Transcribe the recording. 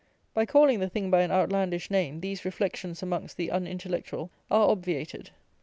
By calling the thing by an outlandish name, these reflections amongst the unintellectual are obviated.